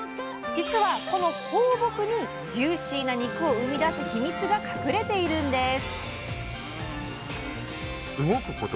実はこの放牧にジューシーな肉を生み出すヒミツが隠れているんです！